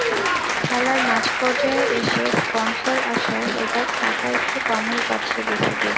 খেলার মাঝপর্যায়ে এসে স্পনসর আসায় এবার টাকা একটু কমই পাচ্ছে বিসিবি।